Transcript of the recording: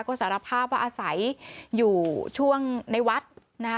ก็สารภาพว่าอาศัยอยู่ช่วงในวัดนะคะ